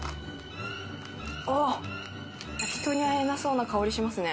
人に会えなそうな香りしますね。